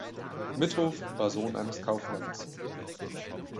Mithoff war Sohn eines Kaufmanns.